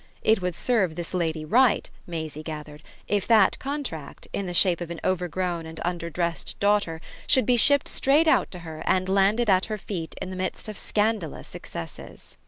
It would serve this lady right, Maisie gathered, if that contract, in the shape of an overgrown and underdressed daughter, should be shipped straight out to her and landed at her feet in the midst of scandalous excesses.